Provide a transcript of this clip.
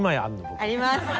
あります。